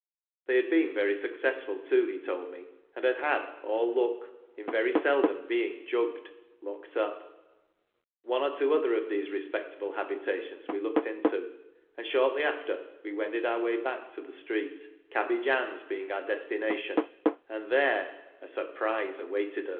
They had been very successful too, ho told me, and had had " all luck " in very seldom being "jugged" (locked up). One or two other of these "respectable " habitations we looked into, and shortly after, we wended our way back to the Street, Cabbage Ann's being our destination, an